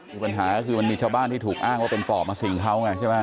มีปัญหาก็คือมีชาวบ้านที่ถูกอ้างว่าตังต่อพาข่าวอยู่ไหมใบ